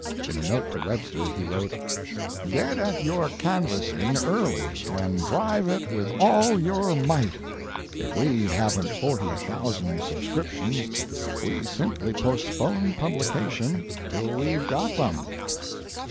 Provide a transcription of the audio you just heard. In a note to Webster, he wrote: "Get at your canvassing early and drive it with all your might .... If we haven't 40,000 subscriptions we simply postpone publication till we've got them."